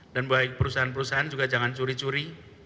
dan perusahaan perusahaan juga jangan curi curi